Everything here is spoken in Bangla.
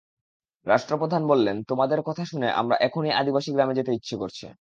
রাষ্ট্রপ্রধান বললেন, তোমাদের কথা শুনে আমার এখনই আদিবাসী গ্রামে যেতে ইচ্ছে করছে।